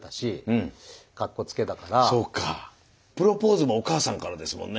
プロポーズもお母さんからですもんね。